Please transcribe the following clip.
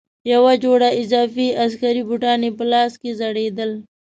یوه جوړه اضافي عسکري بوټان یې په لاس کې ځړېدل.